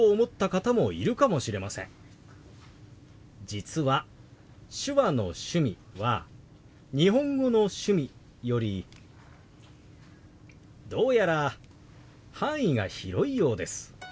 実は手話の「趣味」は日本語の「趣味」よりどうやら範囲が広いようです。